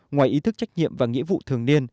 ngoài ý thức trách nhiệm và nghĩa vụ thường